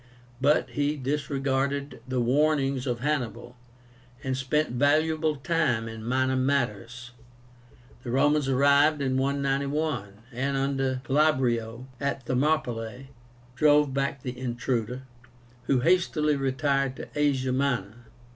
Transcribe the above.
But he disregarded the warnings of Hannibal, and spent valuable time in minor matters. The Romans arrived in 191, and under Glabrio at Thermopylae drove back the intruder, who hastily retired to Asia Minor.